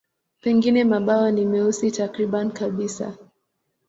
Pengine mabawa ni meusi takriban kabisa.